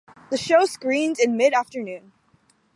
The show screened in mid afternoon.